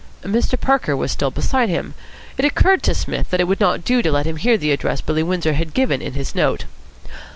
Mr. Parker was still beside him. It occurred to Psmith that it would not do to let him hear the address Billy Windsor had given in his note.